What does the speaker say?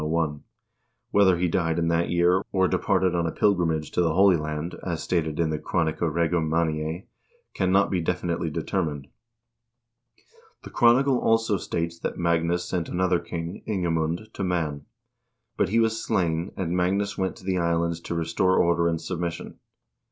Whether he died in that year, or departed on a pilgrimage to the Holy Land as stated in the "Chronica Regum Manniae" cannot be definitely determined. The chronicle also states that Magnus sent another king, Ingemund, to Man ; but he was slain, and Magnus went to the Islands to restore order and submission.